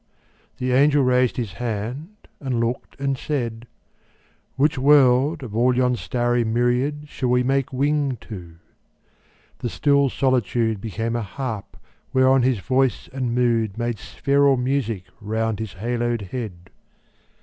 The angel raised his hand and looked and said, "Which world, of all yon starry myriad Shall we make wing to?" The still solitude Became a harp whereon his voice and mood Made spheral music round his haloed head.